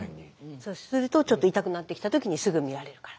そうするとちょっと痛くなってきた時にすぐ見られるから。